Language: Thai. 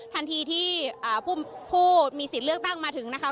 ทันทีที่ผู้มีสิทธิ์เลือกตั้งมาถึงนะคะ